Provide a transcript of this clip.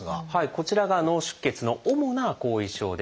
こちらが脳出血の主な後遺症です。